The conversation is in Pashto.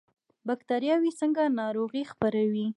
بکتریاوې څنګه ناروغي خپروي؟